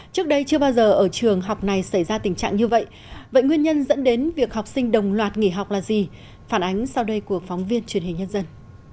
trước đây chưa bao giờ ở trường học này xảy ra tình trạng như vậy vậy nguyên nhân dẫn đến việc học sinh đồng loạt nghỉ học là gì phản ánh sau đây của phóng viên truyền hình nhân dân